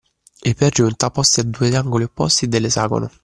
E per giunta posti a due angoli opposti dell’esagono…